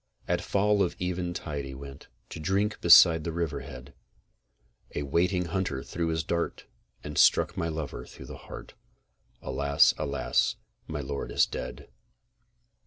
At fall of eventide he went To drink beside the river head; A waiting hunter threw his dart, And struck my lover through the heart. Alas! alas! my lord is dead.